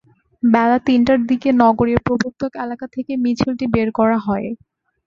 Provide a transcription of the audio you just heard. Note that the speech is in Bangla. বেলা তিনটার দিকে নগরের প্রবর্তক এলাকা থেকে মিছিলটি বের করা হয়।